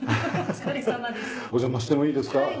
お邪魔してもいいですか？